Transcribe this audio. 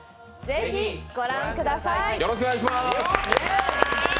ぜひ、ご覧ください！